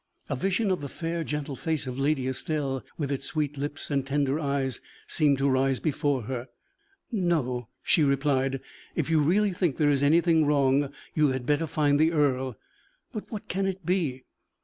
A vision of the fair, gentle face of Lady Estelle, with its sweet lips and tender eyes, seemed to rise before her. "No," she replied; "if you really think there is anything wrong, you had better find the earl. But what can it be?